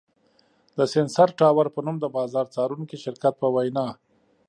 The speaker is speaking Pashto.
د سېنسر ټاور په نوم د بازار څارونکي شرکت په وینا